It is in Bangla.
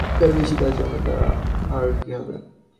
তার বেশি কাজ আমার দ্বারা আর কী হবে?